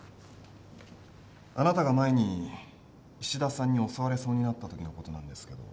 あなたが前に石田さんに襲われそうになったときのことなんですけど。